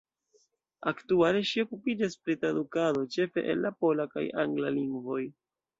Aktuale ŝi okupiĝas pri tradukado, ĉefe el la pola kaj angla lingvoj.